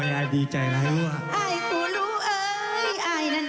อ้อนะตั้งใจมาหาพี่โคร่ลูน่ะล่ะ